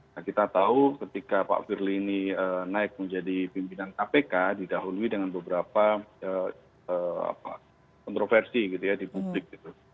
nah kita tahu ketika pak firly ini naik menjadi pimpinan kpk didahului dengan beberapa kontroversi gitu ya di publik gitu